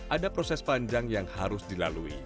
ada proses panjang yang harus dilalui